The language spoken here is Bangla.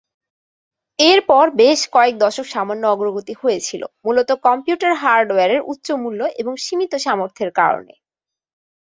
এরপর বেশ কয়েক দশক সামান্য অগ্রগতি হয়েছিল, মূলত কম্পিউটার হার্ডওয়্যারের উচ্চ মূল্য এবং সীমিত সামর্থ্যের কারণে।